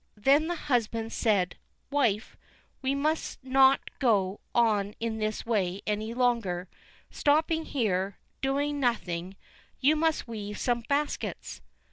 Then the husband said: "Wife, we must not go on in this way any longer, stopping here, doing nothing; you must weave some baskets."